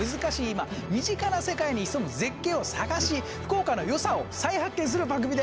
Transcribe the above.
今身近な世界に潜む絶景を探し福岡のよさを再発見する番組です。